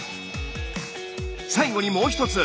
最後にもう一つ